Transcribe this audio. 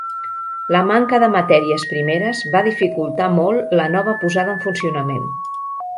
La manca de matèries primeres va dificultar molt la nova posada en funcionament.